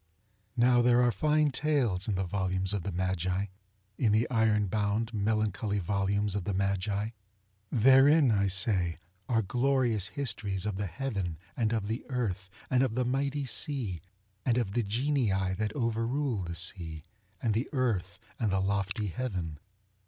ŌĆØ Now there are fine tales in the volumes of the MagiŌĆöin the iron bound, melancholy volumes of the Magi. Therein, I say, are glorious histories of the Heaven, and of the Earth, and of the mighty seaŌĆöand of the Genii that over ruled the sea, and the earth, and the lofty heaven.